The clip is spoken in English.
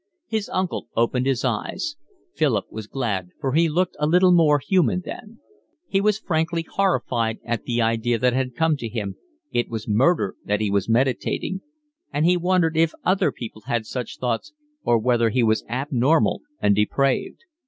His uncle opened his eyes; Philip was glad, for he looked a little more human then. He was frankly horrified at the idea that had come to him, it was murder that he was meditating; and he wondered if other people had such thoughts or whether he was abnormal and depraved.